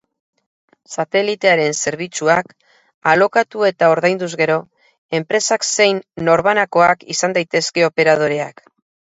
Satelitearen zerbitzuak alokatu eta ordainduz gero, enpresak zein norbanakoak izan daitezke operadoreak.